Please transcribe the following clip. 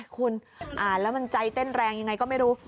คุณอ่านแล้วมันใจเต้นแรงยังไงก็ไม่รู้